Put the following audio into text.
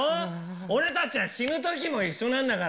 俺たちは死ぬときも一緒なんだから。